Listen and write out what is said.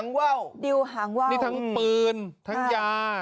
นี่ทั้งปืนทั้งยา